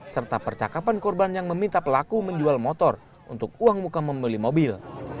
serta percakapan korban yang meminta pelaku menjual motor untuk uang muka membeli mobil